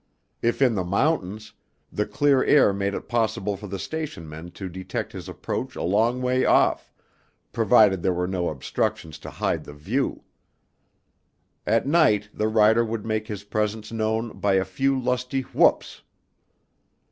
If in the mountains, the clear air made it possible for the station men to detect his approach a long way off, provided there were no obstructions to hide the view. At night the rider would make his presence known by a few lusty whoops.